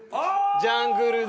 「ジャングルだ！」